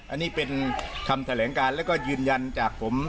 อันนี้เป็นคำแถลงการแล้วก็ยืนยันจากผม